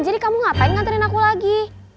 jadi kamu ngapain nganterin aku lagi